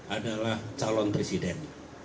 adalah calon presiden